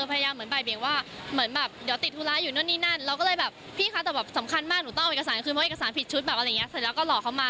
ว่าเหมือนแบบเดี๋ยวติดธุร้ายอยู่นู่นนี่นั่นแล้วเราก็เลยแบบพี่คะแต่แบบสำคัญมากหนูต้องเอาเอกสารมันคือเพราะเอกสารผิดชุดแบบเรียกเสร็จแล้วก็รอเขามา